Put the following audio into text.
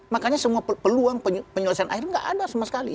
makanya semua peluang penyelesaian air nggak ada sama sekali